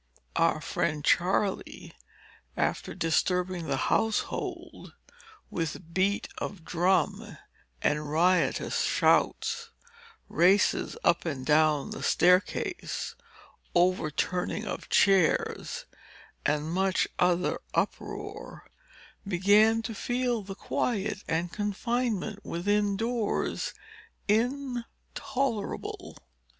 Our friend Charley, after disturbing the household with beat of drum and riotous shouts, races up and down the staircase, overturning of chairs, and much other uproar, began to feel the quiet and confinement within doors intolerable.